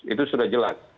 itu sudah jelas